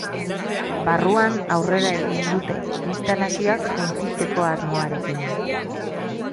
Barruan aurrera egin dute, instalazioak suntsitzeko asmoarekin.